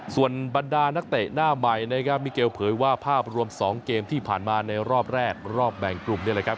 ส่วนบรรดานักเตะหน้าใหม่นะครับมิเกลเผยว่าภาพรวม๒เกมที่ผ่านมาในรอบแรกรอบแบ่งกลุ่มนี่แหละครับ